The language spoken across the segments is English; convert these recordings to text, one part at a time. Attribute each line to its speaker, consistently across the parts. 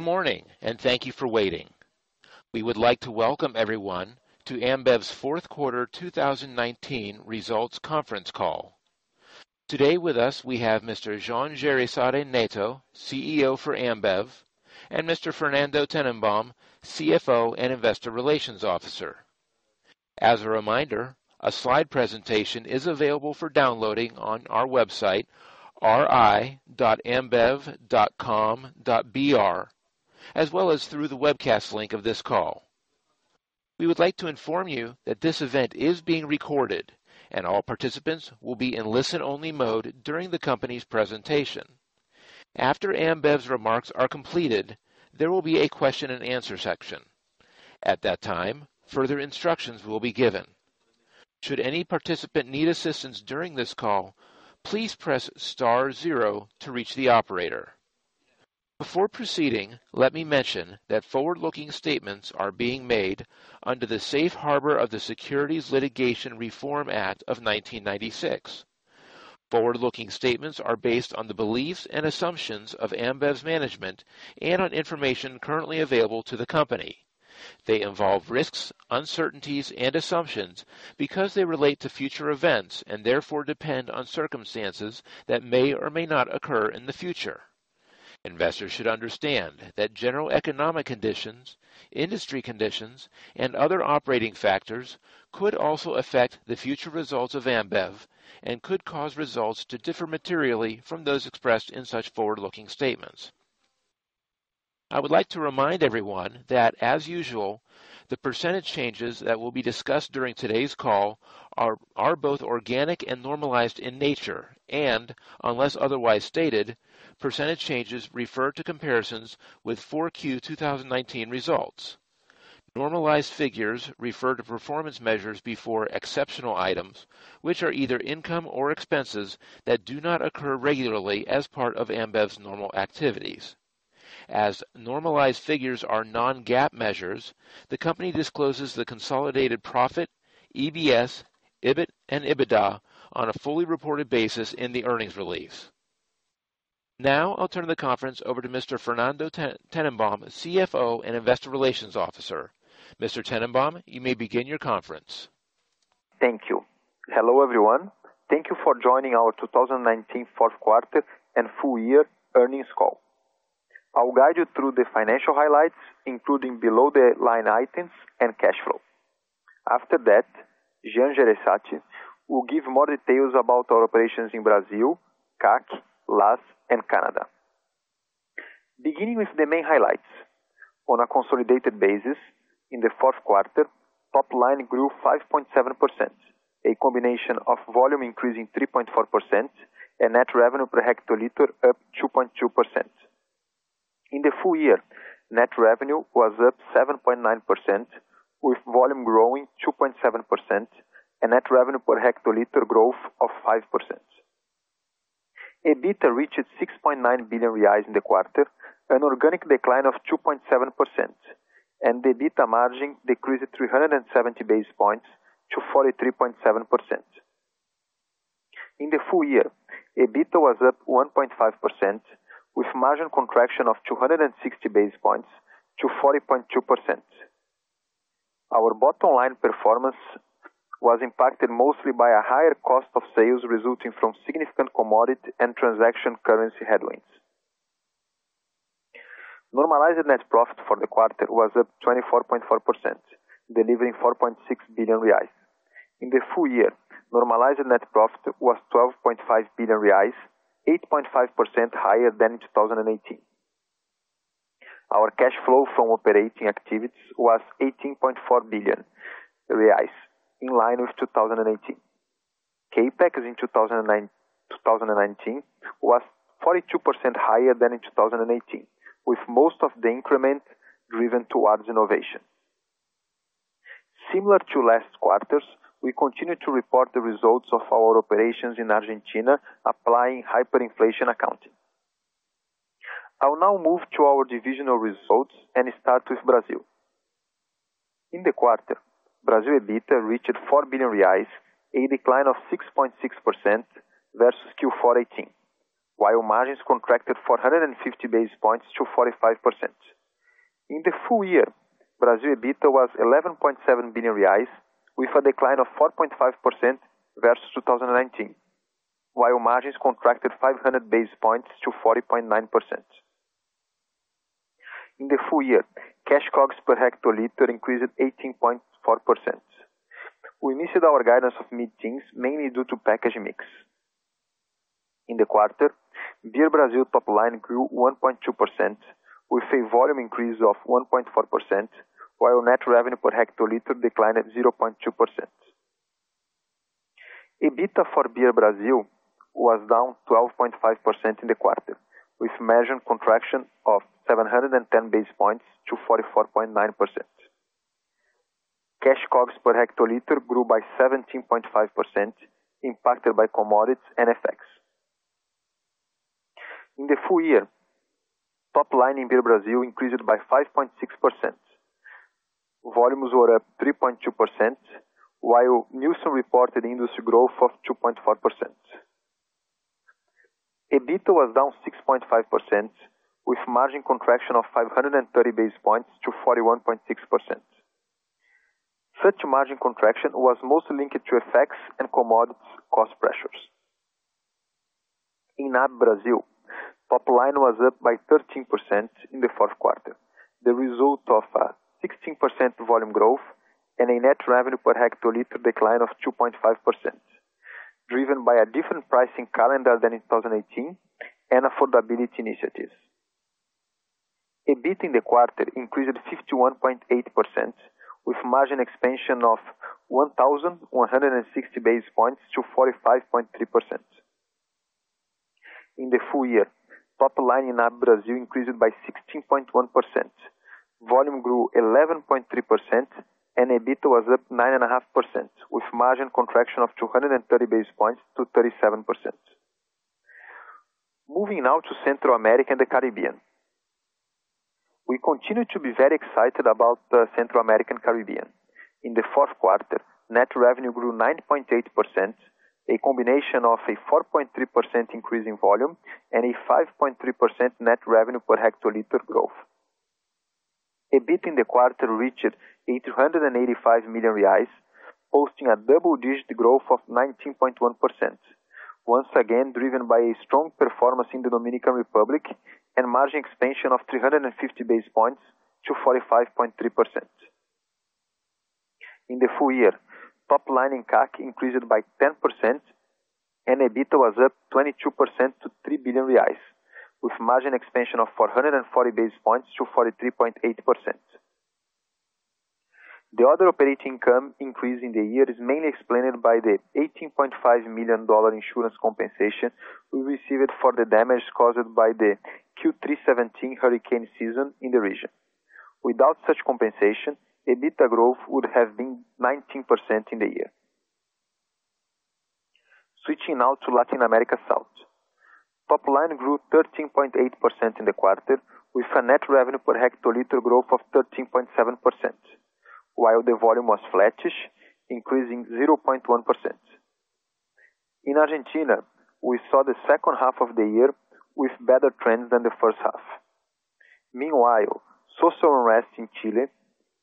Speaker 1: Good morning, and thank you for waiting. We would like to welcome everyone to Ambev's Fourth Quarter 2019 Results Conference Call. Today with us, we have Mr. Jean Jereissati Neto, CEO for Ambev, and Mr. Fernando Tennenbaum, CFO and Investor Relations Officer. As a reminder, a slide presentation is available for downloading on our website, ri.ambev.com.br, as well as through the webcast link of this call. We would like to inform you that this event is being recorded and all participants will be in listen-only mode during the company's presentation. After Ambev's remarks are completed, there will be a question-and-answer section. At that time, further instructions will be given. Should any participant need assistance during this call, please press star zero to reach the operator. Before proceeding, let me mention that forward-looking statements are being made under the Safe Harbor of the Private Securities Litigation Reform Act of 1995. Forward-looking statements are based on the beliefs and assumptions of Ambev's management and on information currently available to the company. They involve risks, uncertainties, and assumptions because they relate to future events and, therefore, depend on circumstances that may or may not occur in the future. Investors should understand that general economic conditions, industry conditions, and other operating factors could also affect the future results of Ambev and could cause results to differ materially from those expressed in such forward-looking statements. I would like to remind everyone that, as usual, the percentage changes that will be discussed during today's call are both organic and normalized in nature and, unless otherwise stated, percentage changes refer to comparisons with 4Q 2019 results. Normalized figures refer to performance measures before exceptional items, which are either income or expenses that do not occur regularly as part of Ambev's normal activities. As normalized figures are non-GAAP measures, the company discloses the consolidated profit, EPS, EBIT, and EBITDA on a fully reported basis in the earnings release. Now, I'll turn the conference over to Mr. Fernando Tennenbaum, CFO and Investor Relations Officer. Mr. Tennenbaum, you may begin your conference.
Speaker 2: Thank you. Hello, everyone. Thank you for joining our 2019 fourth quarter and full year earnings call. I'll guide you through the financial highlights, including below-the-line items and cash flow. After that, Jean Jereissati will give more details about our operations in Brazil, CAC, LAS, and Canada. Beginning with the main highlights. On a consolidated basis, in the fourth quarter, top line grew 5.7%, a combination of volume increasing 3.4% and net revenue per hectoliter up 2.2%. In the full year, net revenue was up 7.9%, with volume growing 2.7% and net revenue per hectoliter growth of 5%. EBITDA reached 6.9 billion reais in the quarter, an organic decline of 2.7%, and the EBITDA margin decreased 370 basis points to 43.7%. In the full year, EBITDA was up 1.5%, with margin contraction of 260 basis points to 40.2%. Our bottom line performance was impacted mostly by a higher cost of sales resulting from significant commodity and transaction currency headwinds. Normalized net profit for the quarter was up 24.4%, delivering 4.6 billion reais. In the full year, normalized net profit was 12.5 billion reais, 8.5% higher than in 2018. Our cash flow from operating activities was 18.4 billion reais, in line with 2018. CapEx in 2019 was 42% higher than in 2018, with most of the increment driven towards innovation. Similar to last quarters, we continue to report the results of our operations in Argentina, applying hyperinflation accounting. I'll now move to our divisional results and start with Brazil. In the quarter, Brazil EBITDA reached 4 billion reais, a decline of 6.6% versus Q4 2018, while margins contracted 450 basis points to 45%. In the full year, Brazil EBITDA was 11.7 billion reais, with a decline of 4.5% versus 2019, while margins contracted 500 basis points to 40.9%. In the full year, cash COGS per hectoliter increased 18.4%. We missed our guidance of mid-teens mainly due to packaging mix. In the quarter, Beer Brazil top line grew 1.2%, with a volume increase of 1.4%, while net revenue per hectoliter declined at 0.2%. EBITDA for Beer Brazil was down 12.5% in the quarter, with margin contraction of 710 basis points to 44.9%. Cash COGS per hectoliter grew by 17.5%, impacted by commodities and FX. In the full year, top line in Beer Brazil increased by 5.6%. Volumes were up 3.2%, while Nielsen reported industry growth of 2.4%. EBIT was down 6.5% with margin contraction of 530 basis points to 41.6%. Such margin contraction was mostly linked to FX effects and commodities cost pressures. In NAB Brasil, top line was up by 13% in the fourth quarter, the result of 16% volume growth and a net revenue per hectoliter decline of 2.5%, driven by a different pricing calendar than in 2018 and affordability initiatives. EBIT in the quarter increased 51.8% with margin expansion of 1,160 basis points to 45.3%. In the full year, top line in NAB Brasil increased by 16.1%. Volume grew 11.3% and EBIT was up 9.5% with margin contraction of 230 basis points to 37%. Moving now to Central America and the Caribbean. We continue to be very excited about the Central American Caribbean. In the fourth quarter, net revenue grew 9.8%, a combination of a 4.3% increase in volume and a 5.3% net revenue per hectoliter growth. EBIT in the quarter reached 885 million reais, posting a double-digit growth of 19.1%, once again driven by a strong performance in the Dominican Republic and margin expansion of 350 basis points to 45.3%. In the full year, top line in CAC increased by 10% and EBIT was up 22% to 3 billion reais, with margin expansion of 440 basis points to 43.8%. The other operating income increase in the year is mainly explained by the $18.5 million insurance compensation we received for the damage caused by the Q3 2017 hurricane season in the region. Without such compensation, EBITDA growth would have been 19% in the year. Switching now to Latin America South. Top line grew 13.8% in the quarter with a net revenue per hectoliter growth of 13.7%, while the volume was flattish, increasing 0.1%. In Argentina, we saw the second half of the year with better trends than the first half. Meanwhile, social unrest in Chile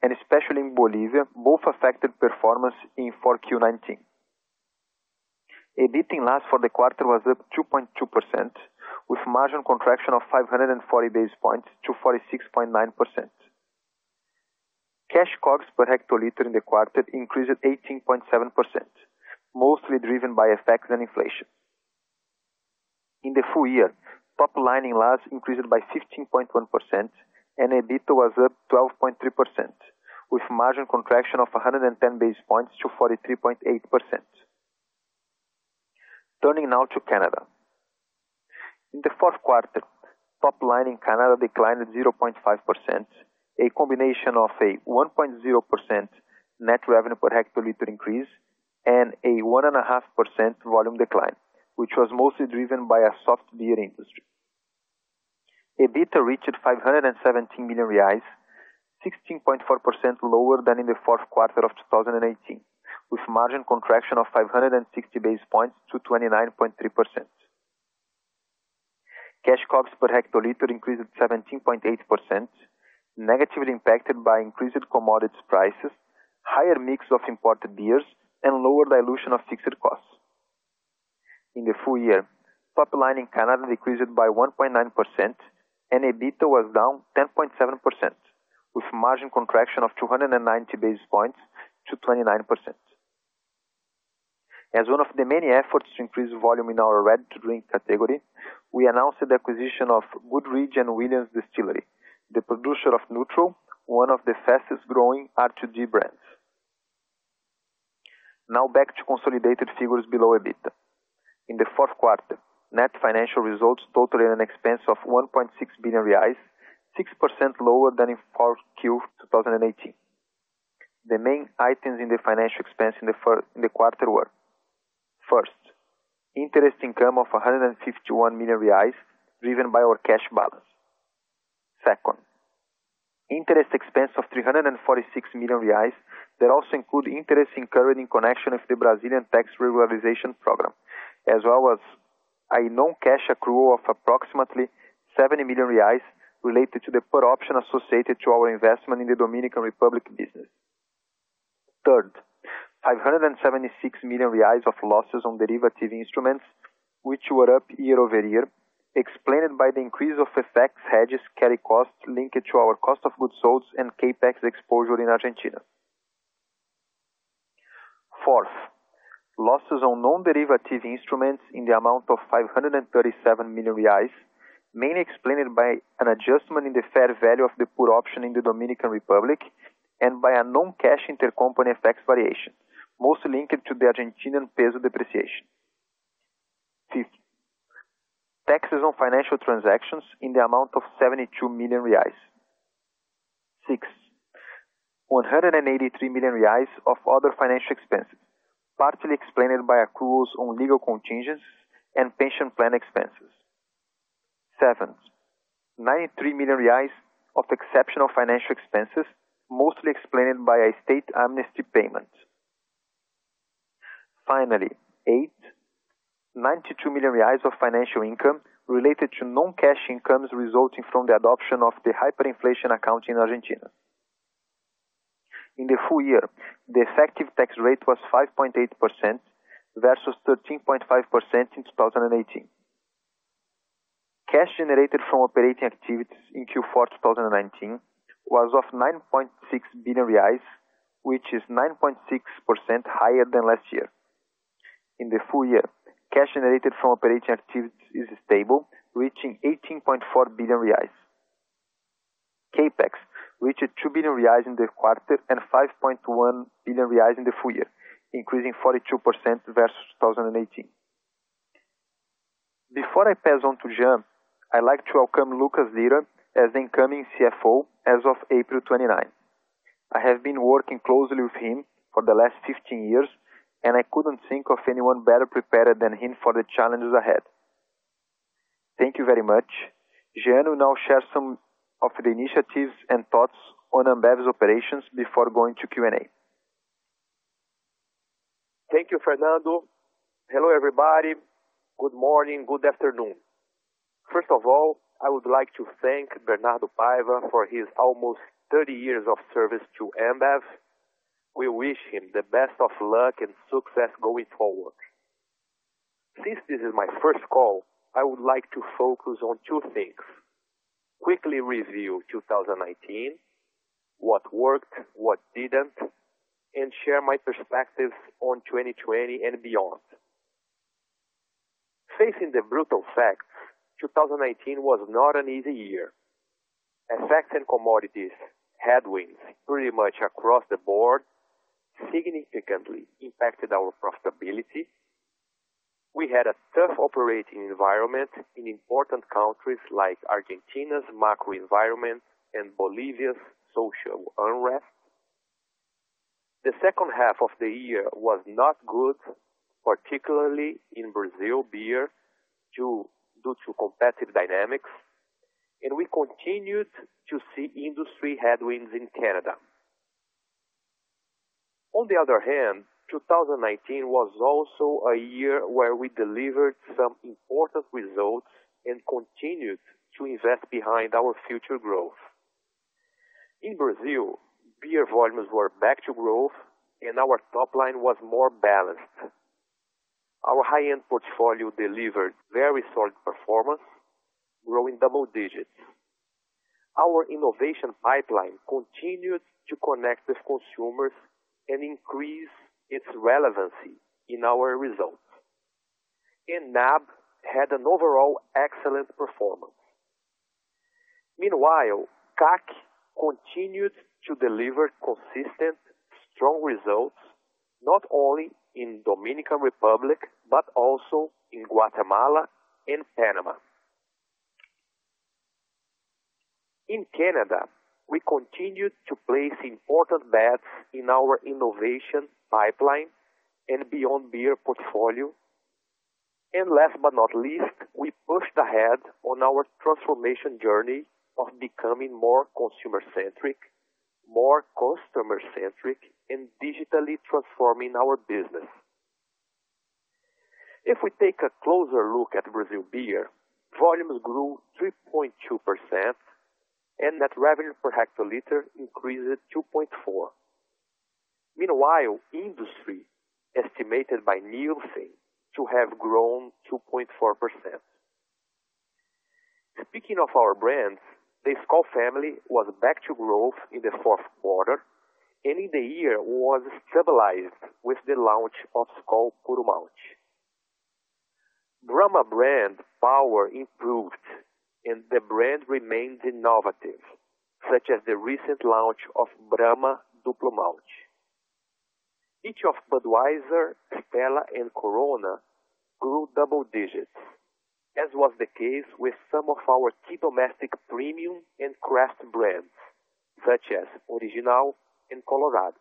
Speaker 2: and especially in Bolivia both affected performance in 4Q 2019. EBIT in LAS for the quarter was up 2.2% with margin contraction of 540 basis points to 46.9%. Cash COGS per hectoliter in the quarter increased 18.7%, mostly driven by effects and inflation. In the full year, top line in LAS increased by 15.1% and EBIT was up 12.3% with margin contraction of 110 basis points to 43.8%. Turning now to Canada. In the fourth quarter, top line in Canada declined 0.5%, a combination of a 1.0% net revenue per hectoliter increase and a 1.5% volume decline, which was mostly driven by a soft beer industry. EBIT reached 517 million reais, 16.4% lower than in the fourth quarter of 2018, with margin contraction of 560 basis points to 29.3%. Cash COGS per hectoliter increased 17.8%, negatively impacted by increased commodities prices, higher mix of imported beers and lower dilution of fixed costs. In the full year, top line in Canada decreased by 1.9% and EBIT was down 10.7% with margin contraction of 290 basis points to 29%. As one of the many efforts to increase volume in our ready to drink category, we announced the acquisition of Goodridge & Williams Distillery, the producer of Nütrl, one of the fastest growing RTD brands. Now back to consolidated figures below EBIT. In the fourth quarter, net financial results totaled an expense of 1.6 billion reais, 6% lower than in Q4 2018. The main items in the financial expense in the quarter were. First, interest income of 151 million reais driven by our cash balance. Second, interest expense of 346 million reais that also include interest incurred in connection with the Brazilian tax regularization program, as well as a non-cash accrual of approximately 70 million reais related to the put option associated to our investment in the Dominican Republic business. Third, 576 million reais of losses on derivative instruments which were up year-over-year, explained by the increase of FX hedges carry costs linked to our cost of goods sold and CapEx exposure in Argentina. Fourth, losses on non-derivative instruments in the amount of 537 million reais, mainly explained by an adjustment in the fair value of the put option in the Dominican Republic and by a non-cash intercompany effects variation, mostly linked to the Argentinian peso depreciation. Fifth, taxes on financial transactions in the amount of 72 million reais. Six, 183 million reais of other financial expenses, partially explained by accruals on legal contingents and pension plan expenses. Seventh, 93 million reais of exceptional financial expenses, mostly explained by a state amnesty payment. Finally, eight, 92 million reais of financial income related to non-cash incomes resulting from the adoption of the hyperinflation account in Argentina. In the full year, the effective tax rate was 5.8% versus 13.5% in 2018. Cash generated from operating activities in Q4 2019 was 9.6 billion reais, which is 9.6% higher than last year. In the full year, cash generated from operating activities is stable, reaching 18.4 billion reais. CapEx reached 2 billion reais in the quarter and 5.1 billion reais in the full year, increasing 42% versus 2018. Before I pass on to Jean, I'd like to welcome Lucas Lira as the incoming CFO as of April 29. I have been working closely with him for the last 15 years, and I couldn't think of anyone better prepared than him for the challenges ahead. Thank you very much. Jean will now share some of the initiatives and thoughts on Ambev's operations before going to Q&A.
Speaker 3: Thank you, Fernando. Hello, everybody. Good morning. Good afternoon. First of all, I would like to thank Bernardo Paiva for his almost 30 years of service to Ambev. We wish him the best of luck and success going forward. Since this is my first call, I would like to focus on two things. Quickly review 2019, what worked, what didn't, and share my perspectives on 2020 and beyond. Facing the brutal facts, 2019 was not an easy year. FX and commodities headwinds pretty much across the board significantly impacted our profitability. We had a tough operating environment in important countries like Argentina's macro environment and Bolivia's social unrest. The second half of the year was not good, particularly in Brazil Beer due to competitive dynamics, and we continued to see industry headwinds in Canada. On the other hand, 2019 was also a year where we delivered some important results and continued to invest behind our future growth. In Brazil, beer volumes were back to growth and our top line was more balanced. Our high-end portfolio delivered very solid performance, growing double digits. Our innovation pipeline continued to connect with consumers and increase its relevancy in our results. NAB had an overall excellent performance. Meanwhile, CAC continued to deliver consistent, strong results, not only in Dominican Republic, but also in Guatemala and Panama. In Canada, we continued to place important bets in our innovation pipeline and beyond beer portfolio. Last but not least, we pushed ahead on our transformation journey of becoming more consumer-centric, more customer-centric, and digitally transforming our business. If we take a closer look at Brazil Beer, volumes grew 3.2% and net revenue per hectoliter increased 2.4%. Meanwhile, industry estimated by Nielsen to have grown 2.4%. Speaking of our brands, the Skol family was back to growth in the fourth quarter, and in the year was stabilized with the launch of Skol Puro Malte. Brahma brand power improved and the brand remains innovative, such as the recent launch of Brahma Duplo Malte. Each of Budweiser, Stella, and Corona grew double digits, as was the case with some of our key domestic premium and craft brands, such as Original and Colorado.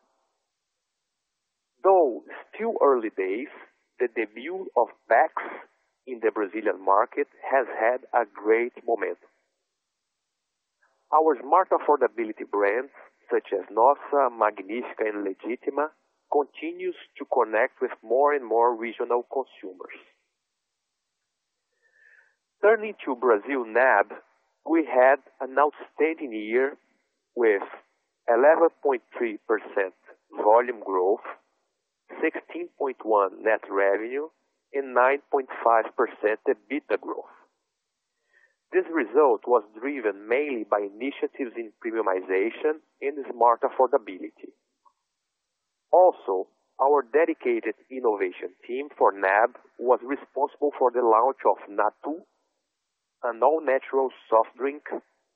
Speaker 3: Though still early days, the debut of PAX in the Brazilian market has had a great momentum. Our smart affordability brands, such as Nossa, Magnífica, and Legítima, continues to connect with more and more regional consumers. Turning to Brazil NAB, we had an outstanding year with 11.3% volume growth, 16.1% net revenue, and 9.5% EBITDA growth. This result was driven mainly by initiatives in premiumization and smart affordability. Also, our dedicated innovation team for NAB was responsible for the launch of Natu, an all-natural soft drink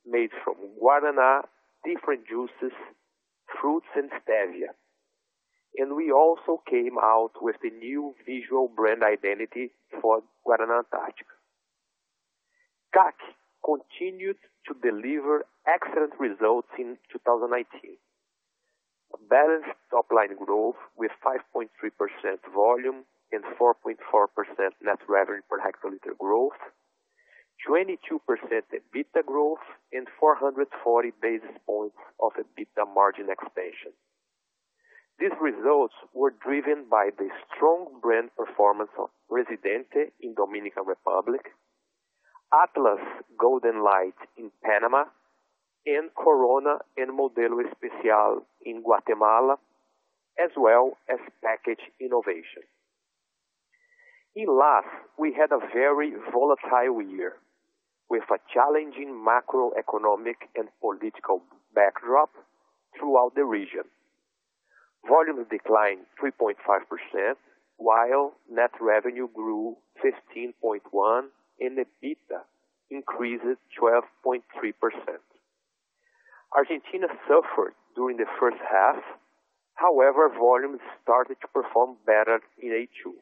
Speaker 3: made from Guaraná, different juices, fruits, and stevia. We also came out with a new visual brand identity for Guaraná Antarctica. CAC continued to deliver excellent results in 2019. Balanced top line growth with 5.3% volume and 4.4% net revenue per hectoliter growth, 22% EBITDA growth and 440 basis points of EBITDA margin expansion. These results were driven by the strong brand performance of Presidente in Dominican Republic, Atlas Golden Light in Panama, and Corona and Modelo Especial in Guatemala, as well as package innovation. In LAS, we had a very volatile year with a challenging macroeconomic and political backdrop throughout the region. Volume declined 3.5%, while net revenue grew 16.1% and EBITDA increased 12.3%. Argentina suffered during the first half. However, volumes started to perform better in H2.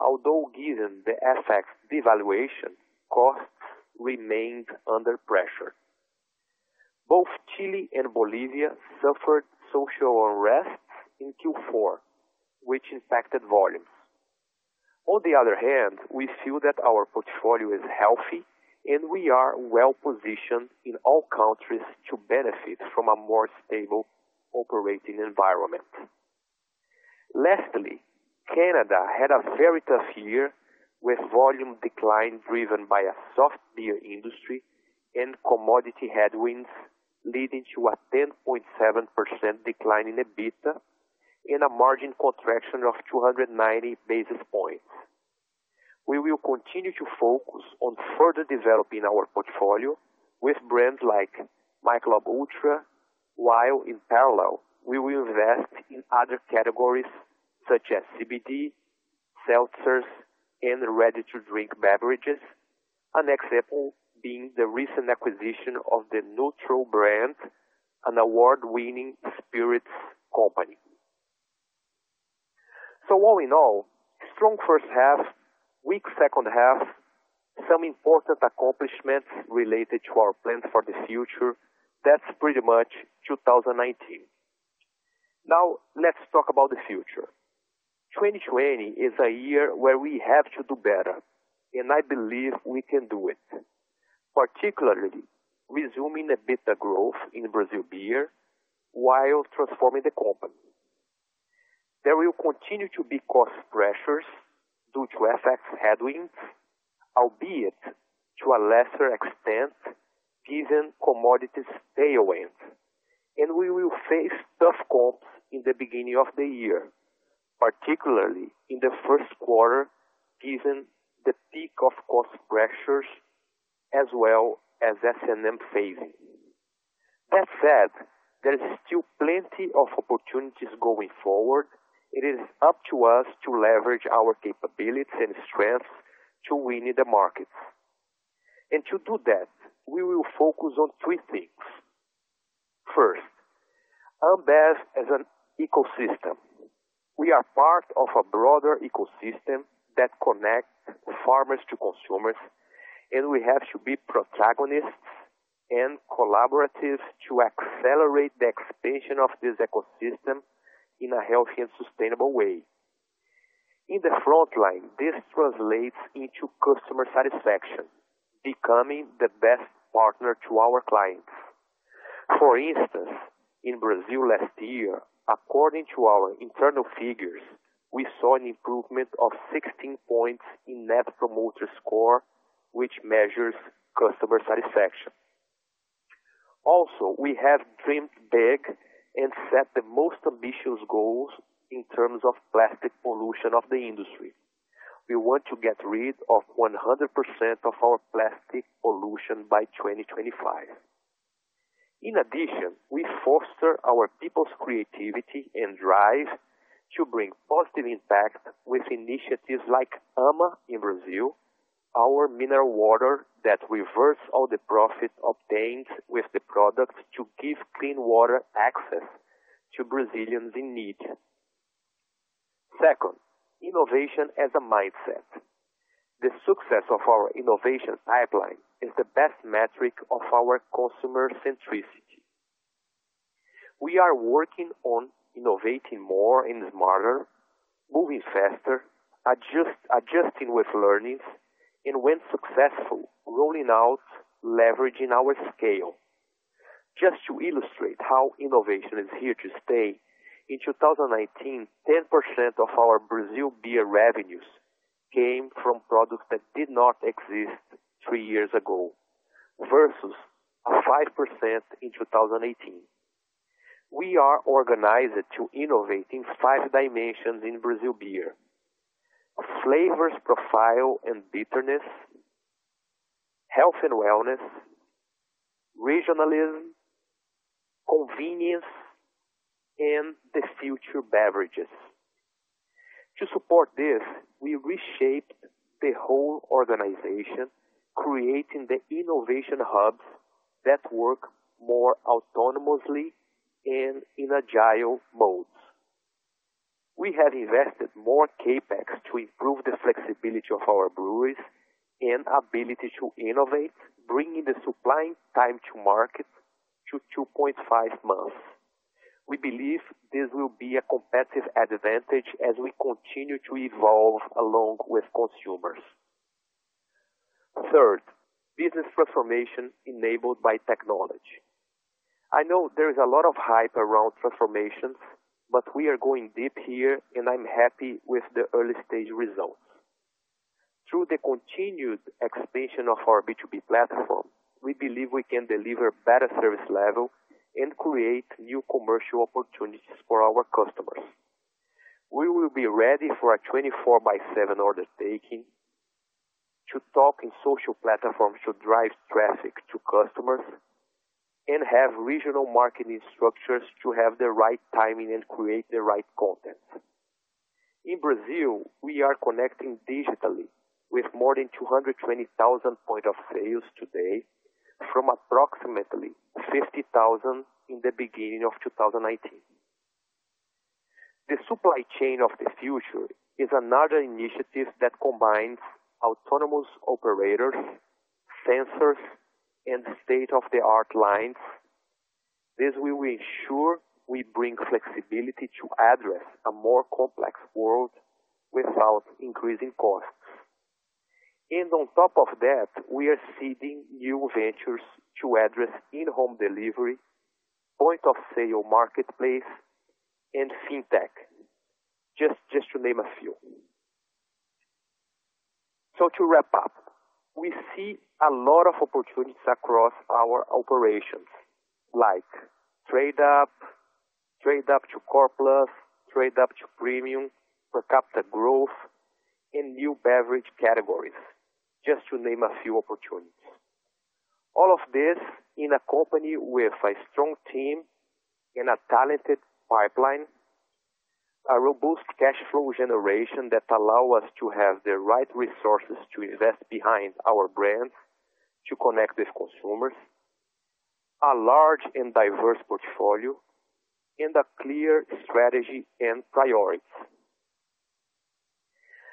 Speaker 3: Although given the FX devaluation, costs remained under pressure. Both Chile and Bolivia suffered social unrest in Q4, which impacted volumes. On the other hand, we feel that our portfolio is healthy and we are well-positioned in all countries to benefit from a more stable operating environment. Lastly, Canada had a very tough year with volume decline driven by a soft beer industry and commodity headwinds, leading to a 10.7% decline in EBITDA and a margin contraction of 290 basis points. We will continue to focus on further developing our portfolio with brands like Michelob Ultra. While in parallel, we will invest in other categories such as CBD, seltzers, and ready-to-drink beverages. An example being the recent acquisition of the Nütrl brand, an award-winning spirits company. All in all, strong first half, weak second half, some important accomplishments related to our plans for the future. That's pretty much 2019. Now let's talk about the future. 2020 is a year where we have to do better, and I believe we can do it. Particularly resuming a bit the growth in Brazil beer while transforming the company. There will continue to be cost pressures due to FX headwinds, albeit to a lesser extent given commodities tailwinds. We will face tough comps in the beginning of the year, particularly in the first quarter, given the peak of cost pressures as well as S&M phasing. That said, there is still plenty of opportunities going forward. It is up to us to leverage our capabilities and strengths to winning the markets. To do that, we will focus on three things. First, Ambev as an ecosystem. We are part of a broader ecosystem that connects farmers to consumers, and we have to be protagonists and collaborators to accelerate the expansion of this ecosystem in a healthy and sustainable way. In the frontline, this translates into customer satisfaction, becoming the best partner to our clients. For instance, in Brazil last year, according to our internal figures, we saw an improvement of 16 points in Net Promoter Score, which measures customer satisfaction. Also, we have dreamt big and set the most ambitious goals in terms of plastic pollution of the industry. We want to get rid of 100% of our plastic pollution by 2025. In addition, we foster our people's creativity and drive to bring positive impact with initiatives like AMA in Brazil, our mineral water that reverse all the profit obtained with the product to give clean water access to Brazilians in need. Second, innovation as a mindset. The success of our innovation pipeline is the best metric of our consumer centricity. We are working on innovating more and smarter, moving faster, adjusting with learnings, and when successful, rolling out leveraging our scale. Just to illustrate how innovation is here to stay, in 2019, 10% of our Brazil beer revenues came from products that did not exist three years ago versus 5% in 2018. We are organized to innovate in five dimensions in Brazil beer: flavors profile and bitterness, health and wellness, regionalism, convenience, and the future beverages. To support this, we reshaped the whole organization, creating the innovation hubs that work more autonomously and in agile modes. We have invested more CapEx to improve the flexibility of our breweries and ability to innovate, bringing the supply time to market to 2.5 months. We believe this will be a competitive advantage as we continue to evolve along with consumers. Third, business transformation enabled by technology. I know there is a lot of hype around transformations, but we are going deep here, and I'm happy with the early stage results. Through the continued expansion of our B2B platform, we believe we can deliver better service level and create new commercial opportunities for our customers. We will be ready for a 24/7 order taking to talk in social platforms to drive traffic to customers and have regional marketing structures to have the right timing and create the right content. In Brazil, we are connecting digitally with more than 220,000 points of sale today from approximately 50,000 in the beginning of 2018. The supply chain of the future is another initiative that combines autonomous operators, sensors, and state-of-the-art lines. This will ensure we bring flexibility to address a more complex world without increasing costs. On top of that, we are seeding new ventures to address in-home delivery, point of sale marketplace, and FinTech, just to name a few. To wrap up, we see a lot of opportunities across our operations like trade up to core plus, trade up to premium, per capita growth, and new beverage categories, just to name a few opportunities. All of this in a company with a strong team and a talented pipeline, a robust cash flow generation that allow us to have the right resources to invest behind our brands to connect with consumers, a large and diverse portfolio, and a clear strategy and priorities.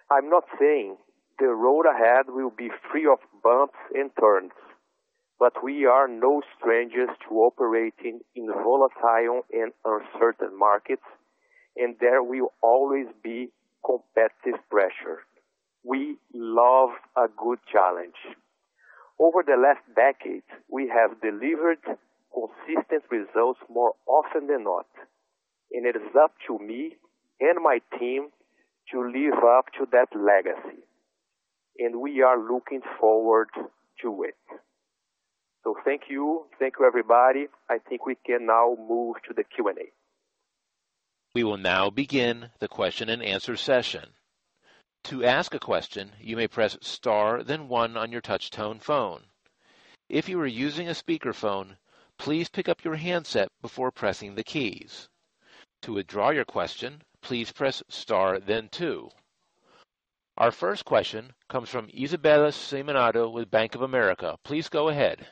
Speaker 3: I'm not saying the road ahead will be free of bumps and turns, but we are no strangers to operating in volatile and uncertain markets, and there will always be competitive pressure. We love a good challenge. Over the last decade, we have delivered consistent results more often than not, and it is up to me and my team to live up to that legacy, and we are looking forward to it. Thank you. Thank you, everybody. I think we can now move to the Q&A.
Speaker 1: We will now begin the question-and-answer session. To ask a question, you may press star then one on your touch-tone phone. If you are using a speakerphone, please pick up your handset before pressing the keys. To withdraw your question, please press star then two. Our first question comes from Isabella Simonato with Bank of America. Please go ahead.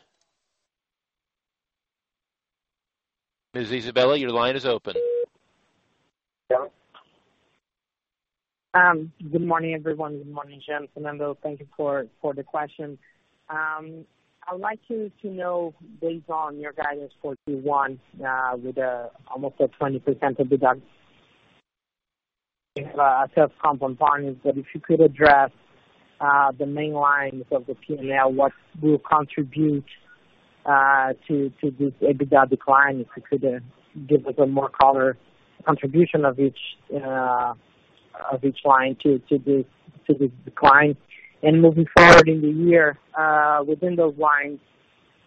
Speaker 1: Ms. Isabella, your line is open.
Speaker 4: Good morning, everyone. Good morning, Jean, Fernando. Thank you for the question. I'd like you to know based on your guidance for Q1, with almost a 20% EBITDA decline versus comparable periods, but if you could address the main lines of the P&L, what will contribute to this EBITDA decline. If you could give us more color on the contribution of each line to the decline. Moving forward in the year, within those lines,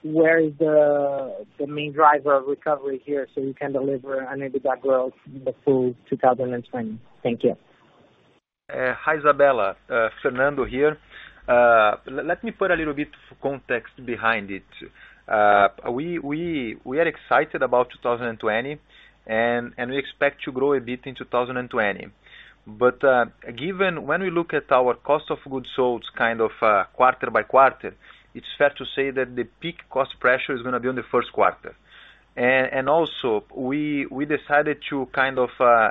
Speaker 4: where is the main driver of recovery here so you can deliver an EBITDA growth in the full 2020? Thank you.
Speaker 2: Hi, Isabella. Fernando here. Let me put a little bit of context behind it. We are excited about 2020 and we expect to grow a bit in 2020. When we look at our cost of goods sold kind of quarter by quarter, it's fair to say that the peak cost pressure is gonna be on the first quarter. Also we decided to kind of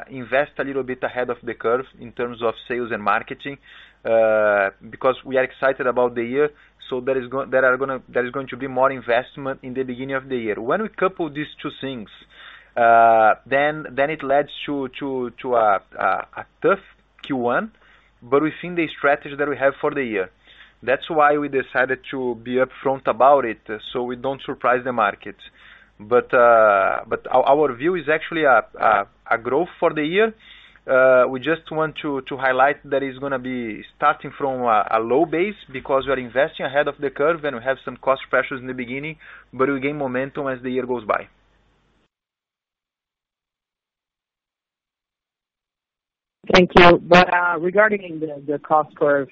Speaker 2: invest a little bit ahead of the curve in terms of sales and marketing because we are excited about the year. There is going to be more investment in the beginning of the year. When we couple these two things, then it leads to a tough Q1, but within the strategy that we have for the year. That's why we decided to be upfront about it, so we don't surprise the market. Our view is actually a growth for the year. We just want to highlight that it's gonna be starting from a low base because we are investing ahead of the curve, and we have some cost pressures in the beginning, but we gain momentum as the year goes by.
Speaker 4: Thank you. Regarding the cost curve,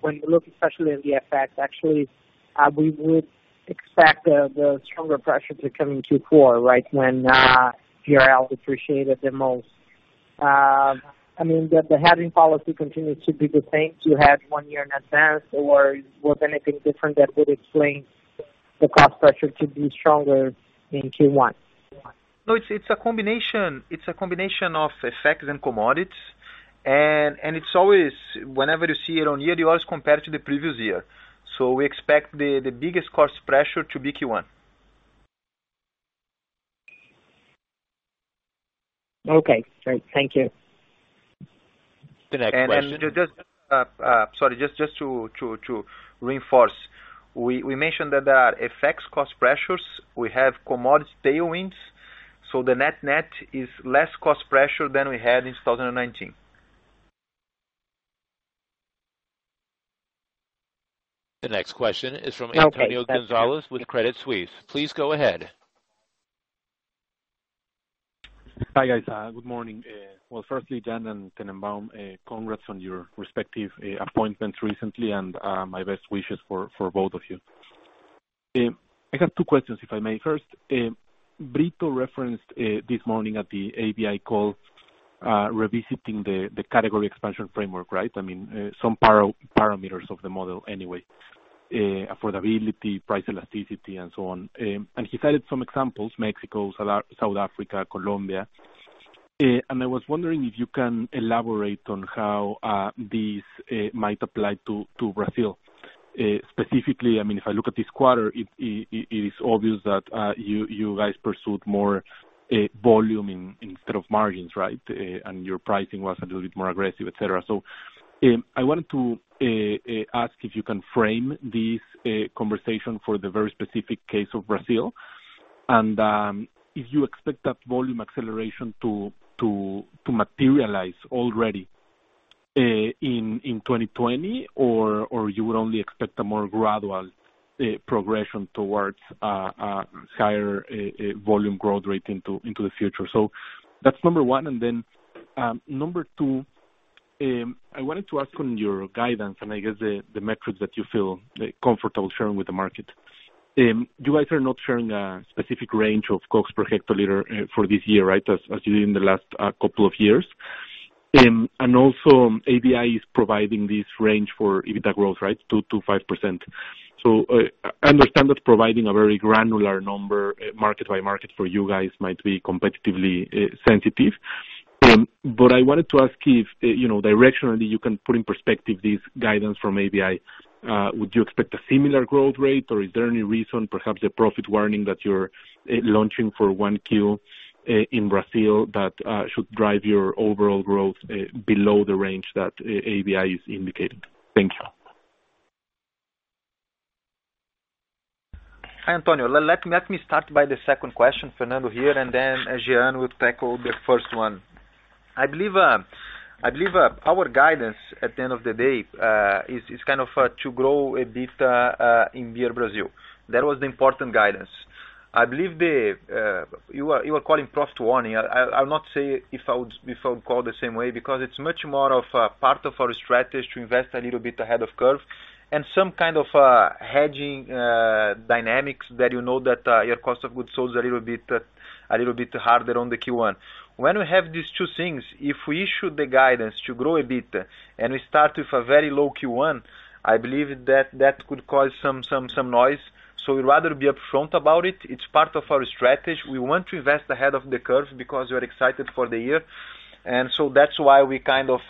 Speaker 4: when you look especially at the FX, actually, we would expect the stronger pressure to come in Q4, right? When BRL appreciated the most. I mean, the hedging policy continues to be the same to hedge one year in advance, or was anything different that would explain the cost pressure to be stronger in Q1.
Speaker 2: No, it's a combination of effects and commodities, and it's always, whenever you see it year on year, you always compare it to the previous year. We expect the biggest cost pressure to be Q1.
Speaker 4: Okay, great. Thank you.
Speaker 1: The next question.
Speaker 2: Just to reinforce. We mentioned that there are FX cost pressures. We have commodity tailwinds, so the net-net is less cost pressure than we had in 2019.
Speaker 4: Okay.
Speaker 1: The next question is from Antonio Gonzalez with Credit Suisse. Please go ahead.
Speaker 5: Hi, guys. Good morning. First, Jean and Tennenbaum, congrats on your respective appointments recently, and my best wishes for both of you. I got two questions, if I may. First, Brito referenced this morning at the ABI call revisiting the category expansion framework, right? I mean, some parameters of the model anyway, affordability, price elasticity, and so on. He cited some examples Mexico, South Africa, Colombia. I was wondering if you can elaborate on how these might apply to Brazil. Specifically, I mean, if I look at this quarter, it is obvious that you guys pursued more volume instead of margins, right? Your pricing was a little bit more aggressive, et cetera. I wanted to ask if you can frame this conversation for the very specific case of Brazil and if you expect that volume acceleration to materialize already in 2020 or you would only expect a more gradual progression towards higher volume growth rate into the future. That's number one. Number two, I wanted to ask on your guidance, and I guess the metrics that you feel comfortable sharing with the market. You guys are not sharing a specific range of cost per hectoliter for this year, right? As you did in the last couple of years. And also, ABI is providing this range for EBITDA growth, right? 2%-5%. I understand that providing a very granular number, market by market for you guys might be competitively sensitive. I wanted to ask if, you know, directionally you can put in perspective this guidance from ABI. Would you expect a similar growth rate, or is there any reason, perhaps the profit warning that you're launching for 1Q in Brazil that should drive your overall growth below the range that ABI is indicating? Thank you.
Speaker 2: Hi, Antonio. Let me start by the second question, Fernando here, and then as Jean will tackle the first one. I believe our guidance at the end of the day is kind of to grow a bit in Beer Brazil. That was the important guidance. I believe that you are calling profit warning. I'll not say if I would call the same way, because it's much more of a part of our strategy to invest a little bit ahead of curve and some kind of hedging dynamics that you know that our cost of goods sold a little bit harder on the Q1. When we have these two things, if we issue the guidance to grow a bit and we start with a very low Q1, I believe that could cause some noise. We'd rather be upfront about it. It's part of our strategy. We want to invest ahead of the curve because we're excited for the year. That's why we kind of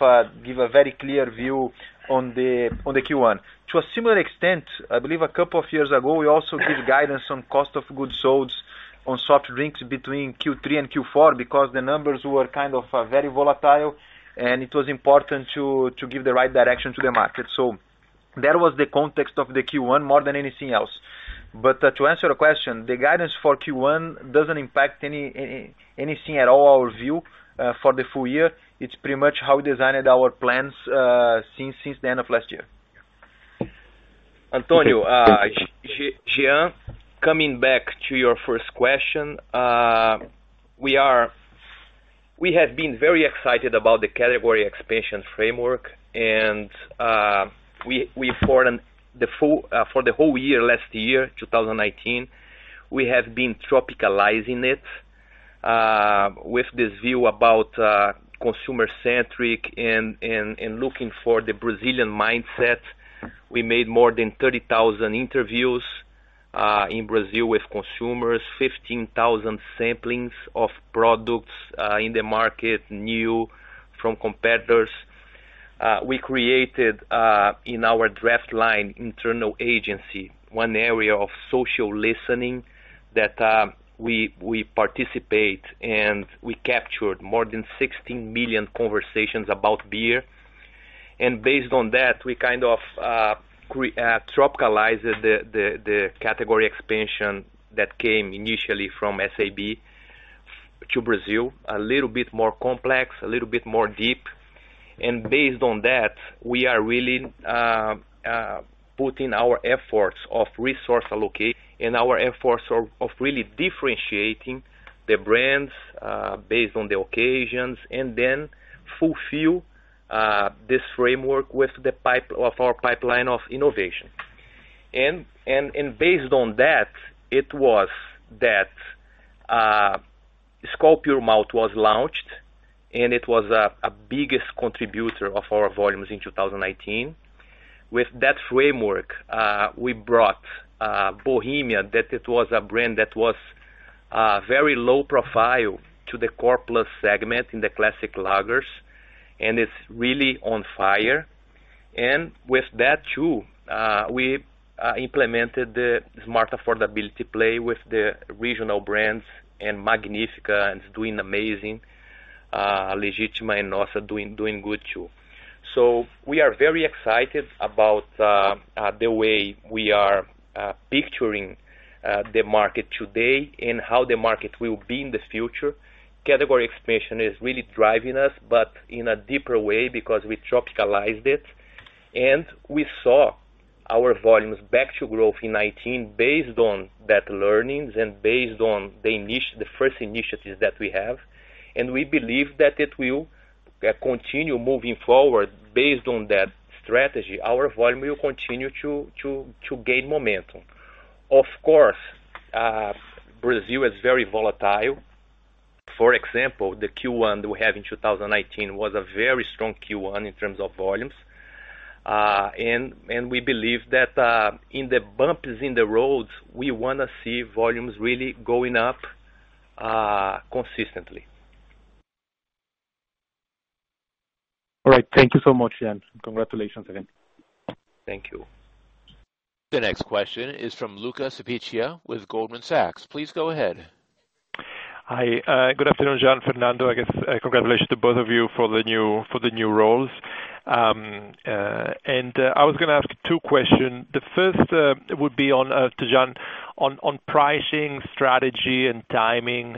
Speaker 2: give a very clear view on the Q1. To a similar extent, I believe a couple of years ago, we also gave guidance on cost of goods sold on soft drinks between Q3 and Q4 because the numbers were kind of very volatile, and it was important to give the right direction to the market. That was the context of the Q1 more than anything else. To answer your question, the guidance for Q1 doesn't impact anything at all our view for the full year. It's pretty much how we designed our plans since the end of last year.
Speaker 5: Thank you.
Speaker 3: Antonio Gonzalez, Jean, coming back to your first question. We have been very excited about the category expansion framework and we formed the full for the whole year, last year, 2019, we have been tropicalizing it with this view about consumer-centric and looking for the Brazilian mindset. We made more than 30,000 interviews in Brazil with consumers, 15,000 samplings of products in the market, new from competitors. We created in our draftLine internal agency one area of social listening that we participate and we captured more than 16 million conversations about beer. Based on that, we kind of tropicalized the category expansion that came initially from SAB to Brazil, a little bit more complex, a little bit more deep. Based on that, we are really putting our efforts of resource allocate and our efforts of really differentiating the brands based on the occasions and then fulfill this framework with the pipeline of innovation. Based on that, Skol Puro Malte was launched and it was the biggest contributor of our volumes in 2018. With that framework, we brought Bohemia, that it was a brand that was very low profile to the core plus segment in the classic lagers, and it's really on fire. With that too, we implemented the smart affordability play with the regional brands and Magnífica, and it's doing amazing. Legítima and Nossa doing good too. We are very excited about the way we are picturing the market today and how the market will be in the future. Category expansion is really driving us, but in a deeper way because we tropicalized it, and we saw our volumes back to growth in 2019 based on that learnings and based on the first initiatives that we have. We believe that it will continue moving forward. Based on that strategy, our volume will continue to gain momentum. Of course, Brazil is very volatile. For example, the Q1 that we have in 2018 was a very strong Q1 in terms of volumes. We believe that in the bumps in the roads, we wanna see volumes really going up consistently.
Speaker 5: All right. Thank you so much, Jean. Congratulations again.
Speaker 3: Thank you.
Speaker 1: The next question is from Luca Cipiccia with Goldman Sachs. Please go ahead.
Speaker 6: Hi. Good afternoon, Jean, Fernando. I guess congratulations to both of you for the new roles. I was gonna ask two questions. The first would be to Jean on pricing strategy and timing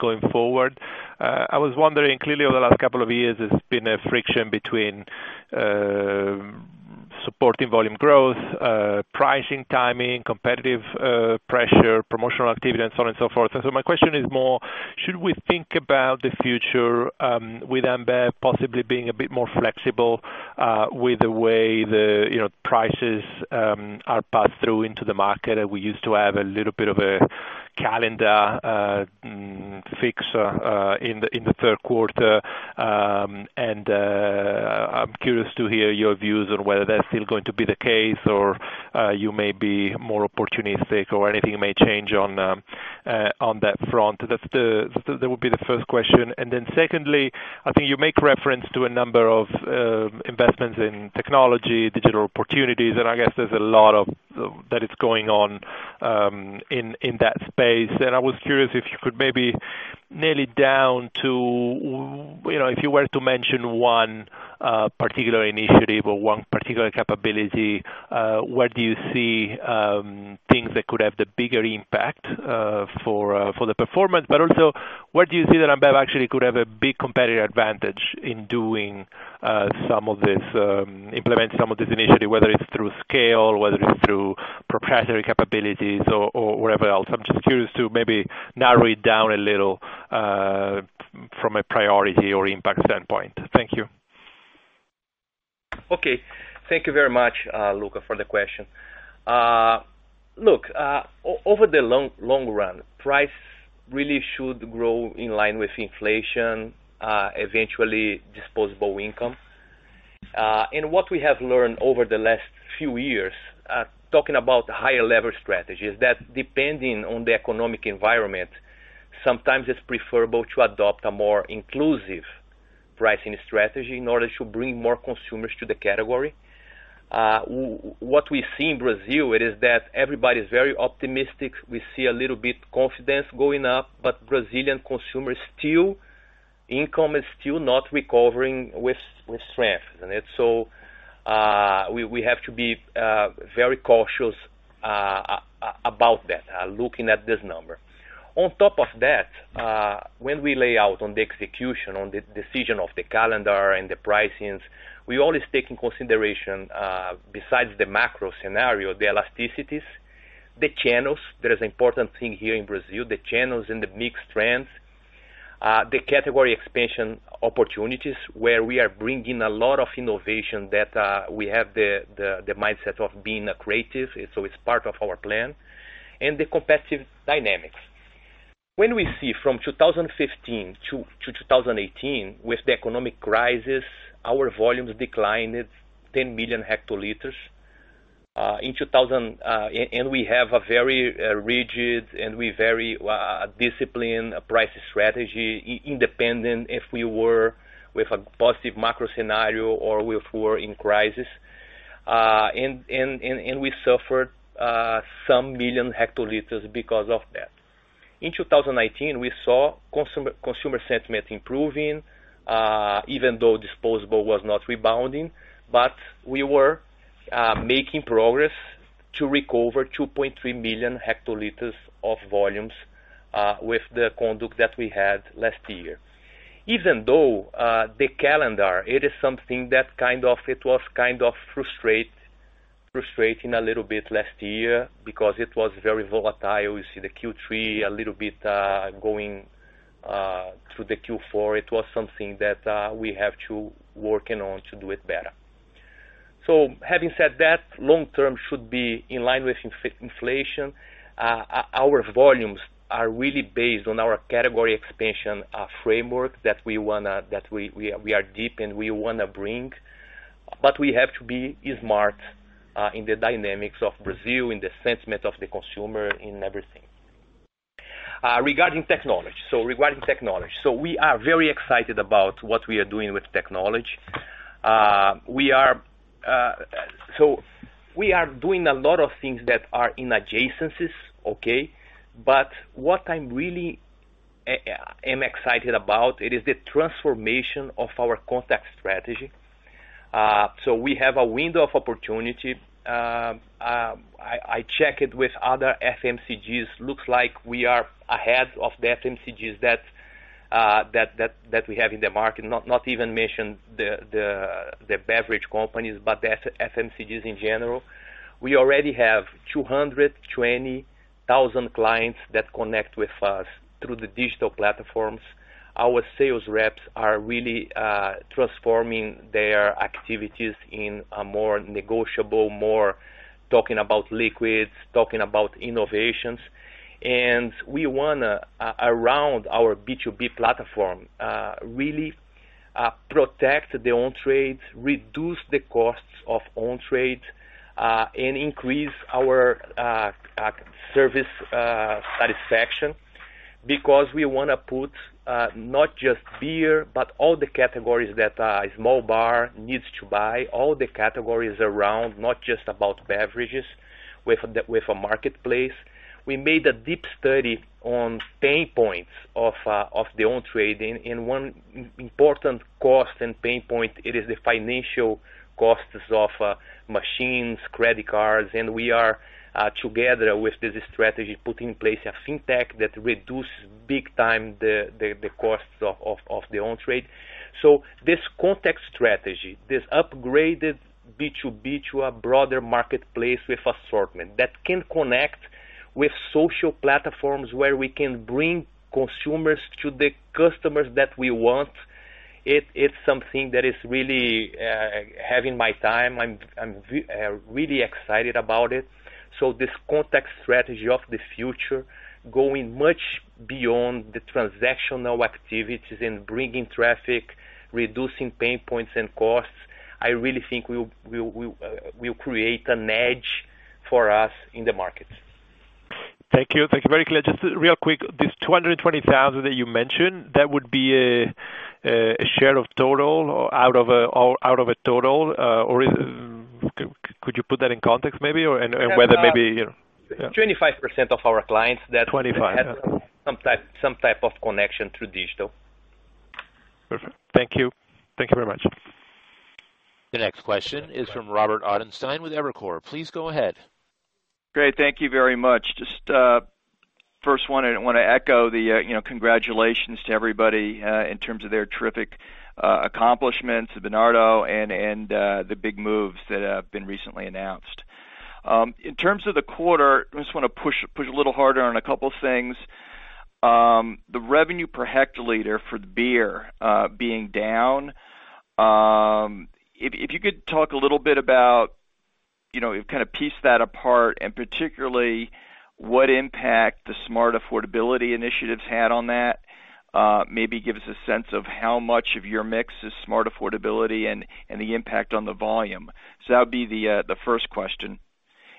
Speaker 6: going forward. I was wondering, clearly over the last couple of years, there's been a friction between supporting volume growth, pricing, timing, competitive pressure, promotional activity and so on and so forth. My question is more should we think about the future with Ambev possibly being a bit more flexible with the way the, you know, prices are passed through into the market? We used to have a little bit of a calendar fix in the third quarter. I'm curious to hear your views on whether that's still going to be the case or you may be more opportunistic or anything may change on that front. That would be the first question. Secondly, I think you make reference to a number of investments in technology, digital opportunities, and I guess there's a lot of that is going on in that space. I was curious if you could maybe nail it down to, you know, if you were to mention one particular initiative or one particular capability, where do you see things that could have the bigger impact for the performance? Where do you see that Ambev actually could have a big competitive advantage in doing some of this initiative, whether it's through scale, whether it's through proprietary capabilities or whatever else. I'm just curious to maybe narrow it down a little from a priority or impact standpoint. Thank you.
Speaker 3: Okay. Thank you very much, Luca, for the question. Over the long run, price really should grow in line with inflation, eventually disposable income. What we have learned over the last few years, talking about higher level strategies, that depending on the economic environment, sometimes it's preferable to adopt a more inclusive pricing strategy in order to bring more consumers to the category. What we see in Brazil is that everybody's very optimistic. We see a little bit confidence going up, but Brazilian consumers still, income is still not recovering with strength. We have to be very cautious about that, looking at this number. On top of that, when we lay out on the execution, on the decision of the calendar and the pricings, we always take into consideration, besides the macro scenario, the elasticities, the channels. That is important thing here in Brazil, the channels and the mixed trends. The category expansion opportunities where we are bringing a lot of innovation that we have the mindset of being creative, so it's part of our plan, and the competitive dynamics. When we see from 2015 to 2018, with the economic crisis, our volumes declined 10 million hectoliters. We have a very rigid and very disciplined price strategy independent if we were with a positive macro scenario or if we're in crisis. We suffered some million hectoliters because of that. In 2018, we saw consumer sentiment improving, even though disposable was not rebounding. We were making progress to recover 2.3 million hectoliters of volumes with the context that we had last year. Even though the calendar, it is something that kind of. It was kind of frustrating a little bit last year because it was very volatile. We see Q3 a little bit going to Q4. It was something that we have to work on to do it better. Having said that, long term should be in line with inflation. Our volumes are really based on our category expansion framework that we are deep and we wanna bring. We have to be smart in the dynamics of Brazil, in the sentiment of the consumer, in everything. Regarding technology. We are very excited about what we are doing with technology. We are doing a lot of things that are in adjacencies, okay? What I'm really excited about is the transformation of our contact strategy. We have a window of opportunity. I check it with other FMCGs. Looks like we are ahead of the FMCGs that we have in the market. Not even mention the beverage companies, but the FMCGs in general. We already have 220,000 clients that connect with us through the digital platforms. Our sales reps are really transforming their activities in a more negotiable, more talking about liquids, talking about innovations. We wanna around our B2B platform really protect their own trades, reduce the costs of own trades, and increase our service satisfaction. Because we wanna put not just beer, but all the categories that a small bar needs to buy, all the categories around, not just about beverages with a marketplace. We made a deep study on pain points of their own trade. One important cost and pain point, it is the financial costs of machines, credit cards. We are together with this strategy, putting in place a FinTech that reduce big time the costs of their own trade. This contact strategy, this upgraded B2B to a broader marketplace with assortment that can connect with social platforms where we can bring consumers to the customers that we want, it's something that is really taking my time. I'm really excited about it. This contact strategy of the future, going much beyond the transactional activities and bringing traffic, reducing pain points and costs, I really think we'll create an edge for us in the market.
Speaker 6: Thank you. Very clear. Just real quick, this 220 thousand that you mentioned, that would be a share of total or out of a total, or is it? Could you put that in context maybe or and whether maybe, you know?
Speaker 3: 25% of our clients that
Speaker 6: 25.
Speaker 3: Have some type of connection through digital.
Speaker 6: Perfect. Thank you. Thank you very much.
Speaker 1: The next question is from Robert Ottenstein with Evercore. Please go ahead.
Speaker 7: Great. Thank you very much. Just first one, I wanna echo the, you know, congratulations to everybody in terms of their terrific accomplishments, Bernardo, and the big moves that have been recently announced. In terms of the quarter, I just wanna push a little harder on a couple things. The revenue per hectoliter for the beer being down, if you could talk a little bit about, you know, kind of piece that apart, and particularly what impact the smart affordability initiatives had on that, maybe give us a sense of how much of your mix is smart affordability and the impact on the volume. That would be the first question.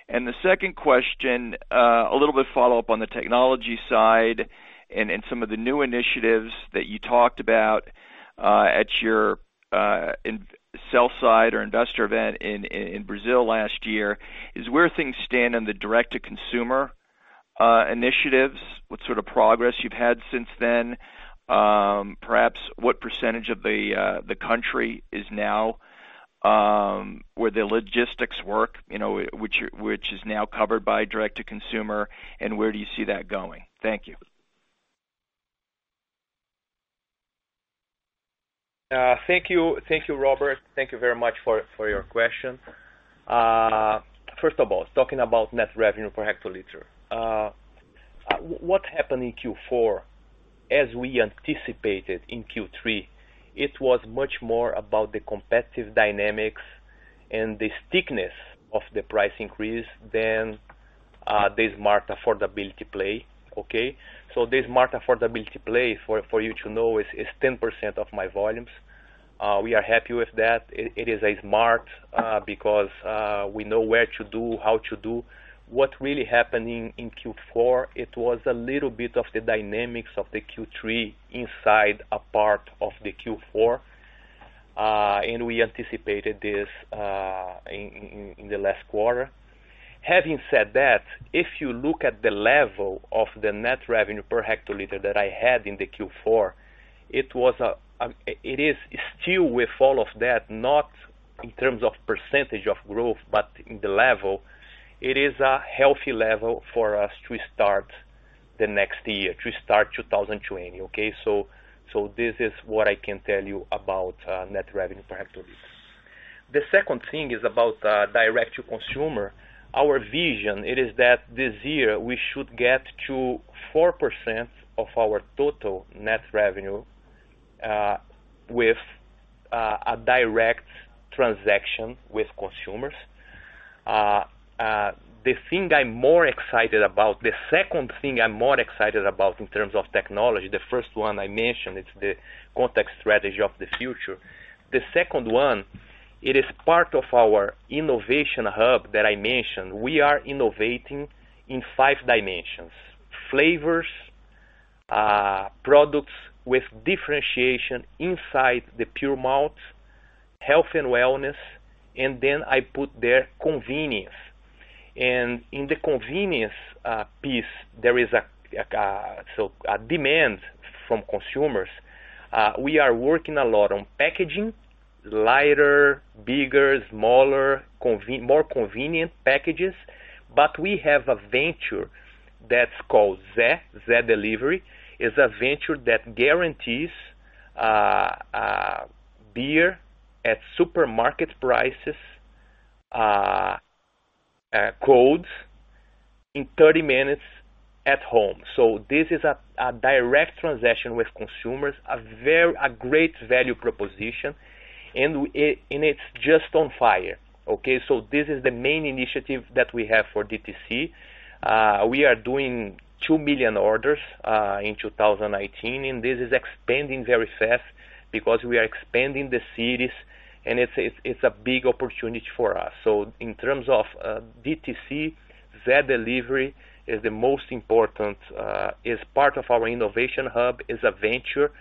Speaker 7: The second question, a little bit follow-up on the technology side and some of the new initiatives that you talked about at your in sell-side or investor event in Brazil last year, is where things stand on the direct to consumer initiatives, what sort of progress you've had since then, perhaps what percentage of the country is now where the logistics work, you know, which is now covered by direct to consumer, and where do you see that going? Thank you.
Speaker 3: Thank you. Thank you, Robert. Thank you very much for your question. First of all, talking about net revenue per hectoliter. What happened in Q4 as we anticipated in Q3, it was much more about the competitive dynamics and the thickness of the price increase than the smart affordability play, okay? The smart affordability play, for you to know, is 10% of my volumes. We are happy with that. It is a smart, because we know where to do, how to do. What really happened in Q4, it was a little bit of the dynamics of the Q3 inside a part of the Q4, and we anticipated this in the last quarter. Having said that, if you look at the level of the net revenue per hectoliter that I had in the Q4, it was a, it is still with all of that, not in terms of percentage of growth, but in the level, it is a healthy level for us to start the next year, to start 2020, okay? This is what I can tell you about net revenue per hectoliter. The second thing is about direct to consumer. Our vision it is that this year we should get to 4% of our total net revenue with a direct transaction with consumers. The second thing I'm more excited about in terms of technology, the first one I mentioned, it's the contact strategy of the future. The second one, it is part of our innovation hub that I mentioned. We are innovating in five dimensions. Flavors, products with differentiation inside the pure malt, health and wellness, and then I put there convenience. In the convenience piece, there is a demand from consumers. We are working a lot on packaging, lighter, bigger, smaller, more convenient packages. We have a venture that's called Zé Delivery. It's a venture that guarantees beer at supermarket prices, cold in 30 minutes at home. This is a direct transaction with consumers, a great value proposition, and it's just on fire, okay. This is the main initiative that we have for DTC. We are doing 2 million orders in 2018, and this is expanding very fast because we are expanding the cities, and it's a big opportunity for us. In terms of DTC, Zé Delivery is the most important, is part of our innovation hub, is a venture,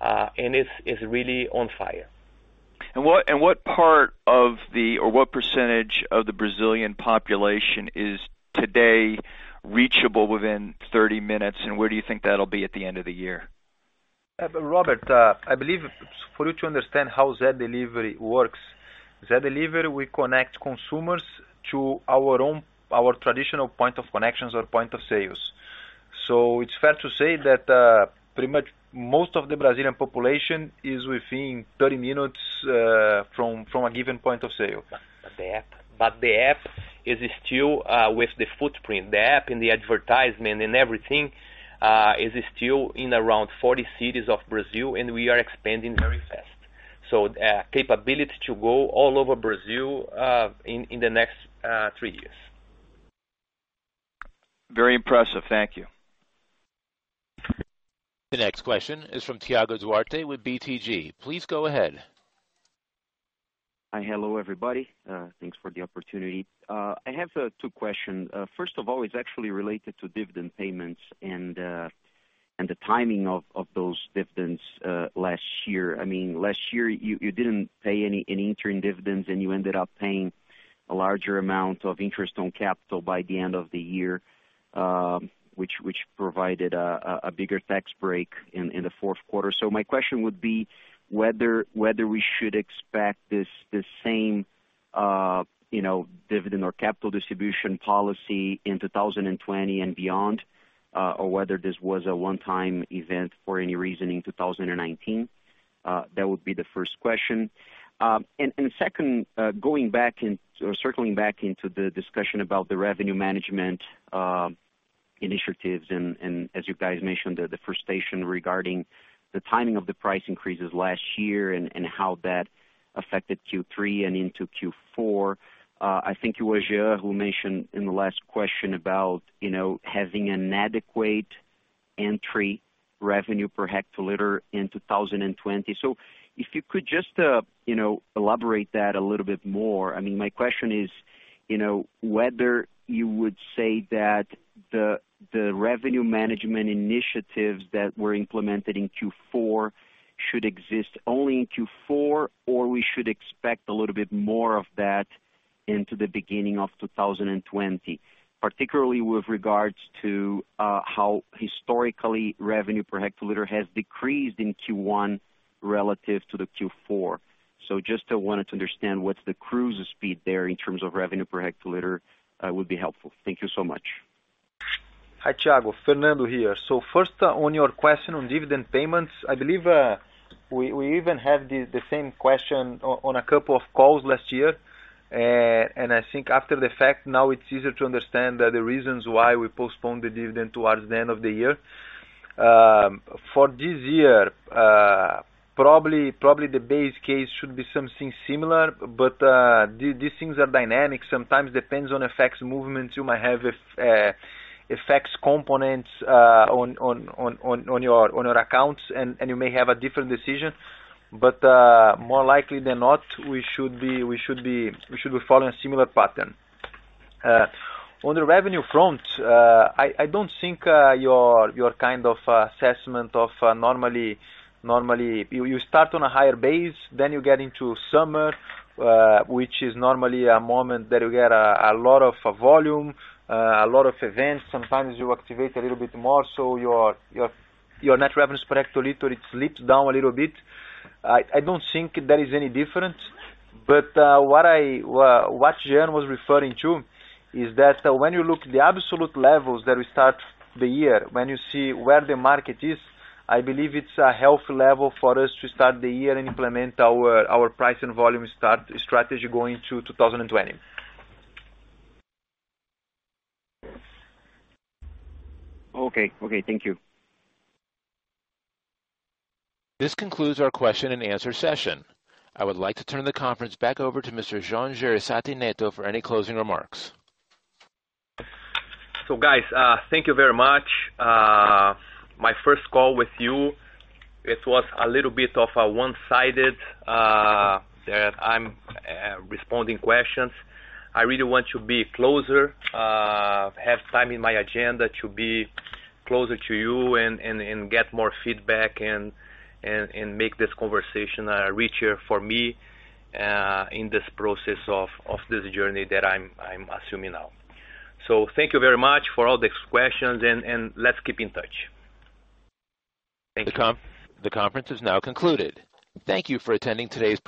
Speaker 3: and it's really on fire.
Speaker 7: What part or what percentage of the Brazilian population is today reachable within 30 minutes, and where do you think that'll be at the end of the year?
Speaker 3: Robert, I believe for you to understand how Zé Delivery works. Zé Delivery, we connect consumers to our own, our traditional point of connections or point of sales. It's fair to say that pretty much most of the Brazilian population is within 30 minutes from a given point of sale. The app. The app is still with the footprint. The app and the advertisement and everything is still in around 40 cities of Brazil, and we are expanding very fast. Capability to go all over Brazil in the next three years.
Speaker 7: Very impressive. Thank you.
Speaker 1: The next question is from Thiago Duarte with BTG. Please go ahead.
Speaker 8: Hi. Hello, everybody. Thanks for the opportunity. I have two questions. First of all, it's actually related to dividend payments and the timing of those dividends last year. I mean, last year you didn't pay any interim dividends, and you ended up paying a larger amount of interest on capital by the end of the year, which provided a bigger tax break in the fourth quarter. My question would be whether we should expect the same, you know, dividend or capital distribution policy in 2020 and beyond, or whether this was a one-time event for any reason in 2019. That would be the first question. Second, circling back into the discussion about the revenue management initiatives and, as you guys mentioned, the frustration regarding the timing of the price increases last year and how that affected Q3 and into Q4. I think it was Jean who mentioned in the last question about, you know, having an adequate net revenue per hectoliter in 2020. If you could just, you know, elaborate that a little bit more. I mean, my question is, you know, whether you would say that the revenue management initiatives that were implemented in Q4 should exist only in Q4 or we should expect a little bit more of that into the beginning of 2020, particularly with regards to how historically revenue per hectoliter has decreased in Q1 relative to the Q4. Just wanted to understand what's the cruise speed there in terms of revenue per hectoliter would be helpful. Thank you so much.
Speaker 2: Hi, Thiago. Fernando here. First, on your question on dividend payments, I believe we even had the same question on a couple of calls last year. I think after the fact, now it's easier to understand the reasons why we postponed the dividend towards the end of the year. For this year, probably the base case should be something similar, but these things are dynamic. Sometimes depends on FX movements. You might have FX components on your accounts, and you may have a different decision. More likely than not, we should be following a similar pattern. On the revenue front, I don't think your kind of assessment of normally you start on a higher base, then you get into summer, which is normally a moment that you get a lot of volume, a lot of events. Sometimes you activate a little bit more, so your net revenues per hectoliter, it slips down a little bit. I don't think there is any difference, but what Jean was referring to is that when you look at the absolute levels that we start the year, when you see where the market is, I believe it's a healthy level for us to start the year and implement our price and volume strategy going to 2020.
Speaker 8: Okay. Okay, thank you.
Speaker 1: This concludes our question and answer session. I would like to turn the conference back over to Mr. Jean Jereissati Neto for any closing remarks.
Speaker 3: Guys, thank you very much. My first call with you, it was a little bit of a one-sided that I'm responding questions. I really want to be closer, have time in my agenda to be closer to you and get more feedback and make this conversation richer for me in this process of this journey that I'm assuming now. Thank you very much for all these questions and let's keep in touch. Thank you.
Speaker 1: The conference is now concluded. Thank you for attending today's pre-